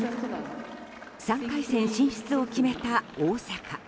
３回戦進出を決めた大坂。